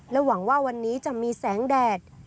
หวังว่าวันนี้จะมีแสงแดด